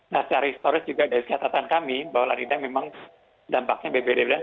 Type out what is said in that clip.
nah secara historis juga dari catatan kami bahwa lanina memang dampaknya bpdb